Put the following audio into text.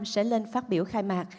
sẽ lên phát biểu khai mạng